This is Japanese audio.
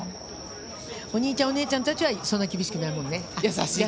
お兄ちゃんお姉ちゃんたちはそんな厳しくなくて。